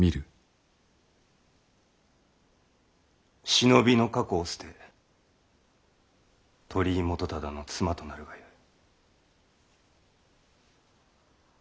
忍びの過去を捨て鳥居元忠の妻となるがよい。